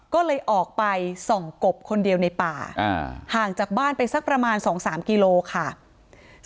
ก็เลยออกไปส่องกบคนเดียวในป่าห่างจากบ้านไปสักประมาณ๒๓กิโลค่ะ